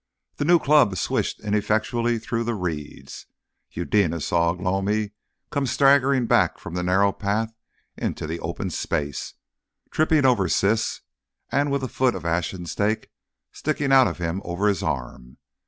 The new club swished ineffectually through the reeds. Eudena saw Ugh lomi come staggering back from the narrow path into the open space, tripping over Siss and with a foot of ashen stake sticking out of him over his arm.